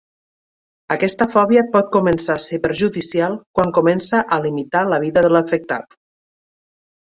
Aquesta fòbia pot començar a ser perjudicial quan comença a limitar la vida de l'afectat.